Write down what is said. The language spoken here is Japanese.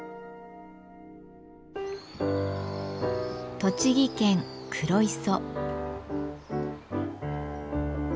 栃木県黒磯。